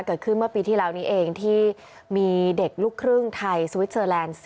เกิดขึ้นเมื่อปีที่แล้วนี้เองที่มีเด็กลูกครึ่งไทยสวิสเซอร์แลนด์๔